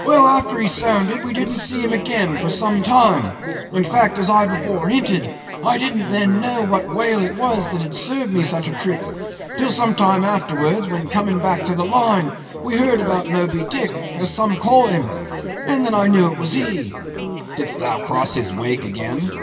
Well; after he sounded, we didn't see him again for some time; in fact, as I before hinted, I didn't then know what whale it was that had served me such a trick, till some time afterwards, when coming back to the Line, we heard about Moby Dick—as some call him—and then I knew it was he." "Did'st thou cross his wake again?"